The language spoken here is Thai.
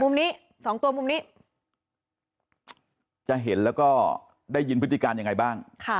มุมนี้๒ตัวมุมนี้จะเห็นแล้วก็ได้ยินพฤติการยังไงบ้าง